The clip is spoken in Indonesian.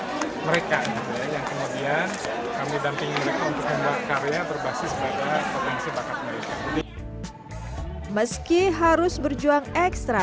dampingi mereka untuk membuat karya berbasis pada potensi bakat mereka meski harus berjuang ekstra